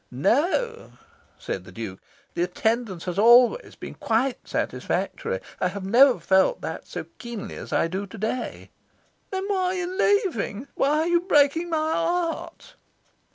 "No," said the Duke, "the attendance has always been quite satisfactory. I have never felt that so keenly as I do to day." "Then why are you leaving? Why are you breaking my heart?"